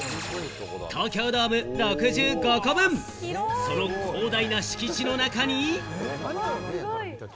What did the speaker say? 東京ドーム６５個分、その広大な敷地の中に。